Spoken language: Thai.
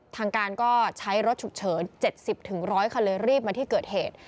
ทางการก็ใช้รถฉุกเฉิน๗๐๑๐๐คันเลยรีบมาที่เกิดเหตุ